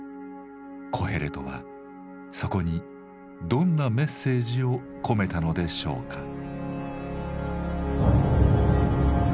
コヘレトはそこにどんなメッセージを込めたのでしょうか。